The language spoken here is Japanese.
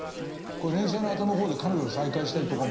これ連載の後の方で彼女と再会したりとかも。